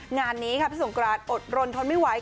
งานนี้พี่สงครานอดทนไม่ไหว